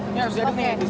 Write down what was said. ini harusnya aduh nih